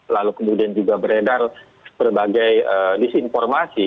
lalu kemudian juga beredar berbagai disinformasi